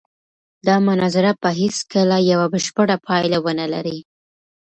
دا مناظره به هېڅکله یوه بشپړه پایله ونه لري.